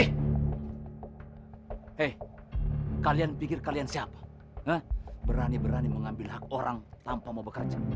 eh kalian pikir kalian siapa berani berani mengambil hak orang tanpa mau bekerja